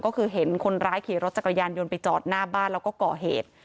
ก็คือเห็นคนร้ายขี่รถจักรยานยนต์ไปจอดหน้าบ้านแล้วก็ก่อเหตุ